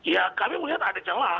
ya kami melihat ada celah